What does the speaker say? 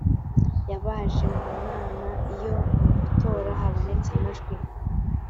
y abaje mu nama iyo mu itora habonetse amajwi